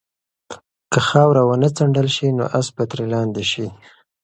که خاوره ونه څنډل شي نو آس به ترې لاندې شي.